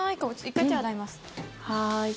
１回、手洗います。